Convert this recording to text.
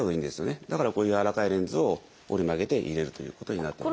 だからこういうやわらかいレンズを折り曲げて入れるということになってます。